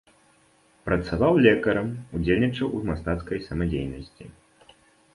Працаваў лекарам, удзельнічаў у мастацкай самадзейнасці.